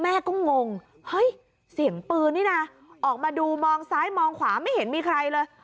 แม่ก็งงเฮ้ยเสียงปืนนี่นะออกมาดูมองซ้ายมองขวาไม่เห็นมีใครเลย